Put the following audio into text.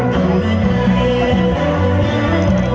สวัสดีครับ